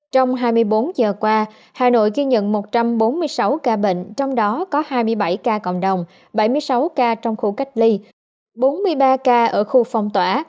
trong hai mươi bốn giờ qua hà nội ghi nhận một trăm bốn mươi sáu ca bệnh trong đó có hai mươi bảy ca cộng đồng bảy mươi sáu ca trong khu cách ly bốn mươi ba ca ở khu phong tỏa